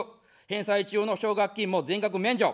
返済中の奨学金も全額免除。